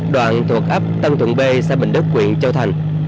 đoạn thuộc ấp tân thuận b xã bình đức quyện châu thành